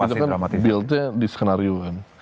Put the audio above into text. itu kan dibuat di skenario